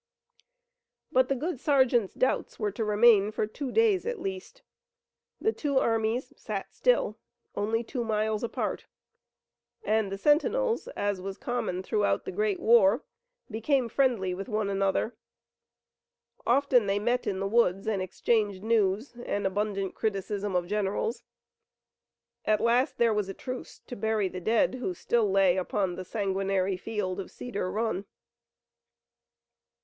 But the good sergeant's doubts were to remain for two days at least. The two armies sat still, only two miles apart, and sentinels, as was common throughout the great war, became friendly with one another. Often they met in the woods and exchanged news and abundant criticism of generals. At last there was a truce to bury the dead who still lay upon the sanguinary field of Cedar Run.